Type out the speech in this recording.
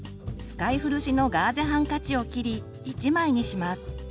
使い古しのガーゼハンカチを切り一枚にします。